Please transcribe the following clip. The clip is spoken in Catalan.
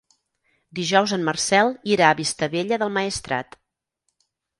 Dijous en Marcel irà a Vistabella del Maestrat.